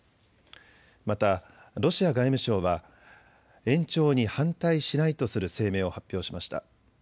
またロシア外務省は延長に反対しないとする声明を発表しました。